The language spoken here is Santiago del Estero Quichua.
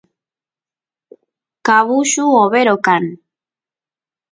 cabullu overo kan